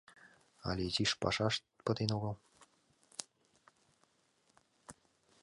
Але изиш пашашт пытен огыл...